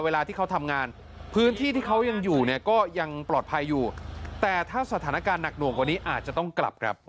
เวลาที่เขาทำงานพื้นที่ที่เขายังอยู่เนี่ยก็ยังปลอดภัยอยู่แต่ถ้าสถานการณ์หนักหน่วงกว่านี้อาจจะต้องกลับครับ